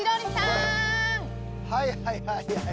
はいはいはいはい。